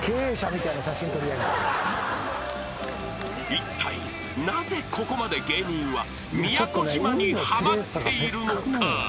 ［いったいなぜここまで芸人は宮古島にはまっているのか？］